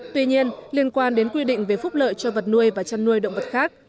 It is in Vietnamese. tuy nhiên liên quan đến quy định về phúc lợi cho vật nuôi và chăn nuôi động vật khác